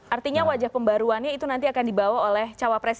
artinya wajah pembaruannya itu nanti akan dibawa oleh cawapres